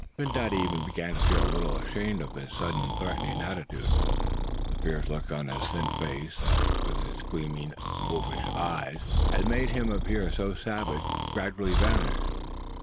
Phin Dady even began to feel a little ashamed of his sudden threatening attitude. The fierce look on his thin face, that with his gleaming wolfish eyes, had made him appear so savage, gradually vanished.